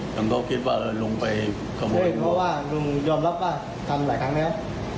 ผมก็คิดว่าลุงไปขโมยเพราะว่าลุงยอมรับว่าทำหลายครั้งแล้ว